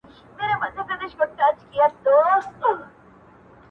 بس هر سړى پر خپله لاره په خپل کار پسې دى ,